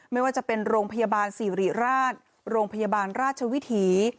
ไม่ว่าจะเป็นโรงพยาบาลสิริราชโรงพยาบาลราชวิถี